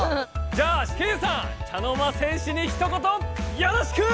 じゃあケイさん茶の間戦士に一言よろしく！